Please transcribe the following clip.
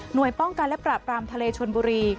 โดยป้องกันและปราบรามทะเลชนบุรี